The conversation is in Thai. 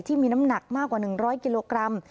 ที่มีน้ำหนักมากกว่า๑๐๐กิโลกรัม